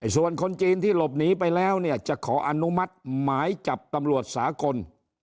ส่วนคนจีนที่หลบหนีไปแล้วเนี่ยจะขออนุมัติหมายจับตำรวจสากล